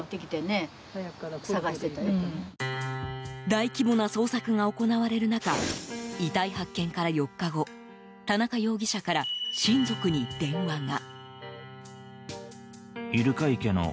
大規模な捜索が行われる中遺体発見から４日後田中容疑者から親族に電話が。